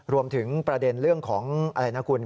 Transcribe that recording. รวมถึงประเด็นเรื่องของอะไรนะคุณ